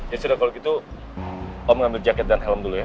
ya sudah kalau gitu kamu ambil jaket dan helm dulu ya